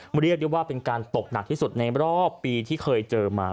เรียกได้ว่าเป็นการตกหนักที่สุดในรอบปีที่เคยเจอมา